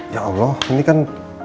ya allah ini kan